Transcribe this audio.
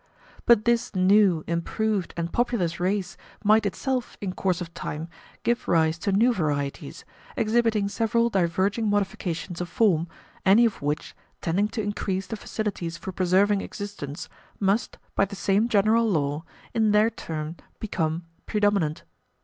[[p. 59]] But this new, improved, and populous race might itself, in course of time, give rise to new varieties, exhibiting several diverging modifications of form, any of which, tending to increase the facilities for preserving existence, must, by the same general law, in their turn become predominant.